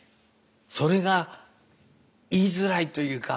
それが言いづらいというか。